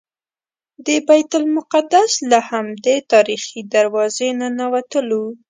د بیت المقدس له همدې تاریخي دروازې ننوتلو.